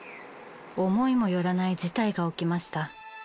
思いもよらない事態が起きました。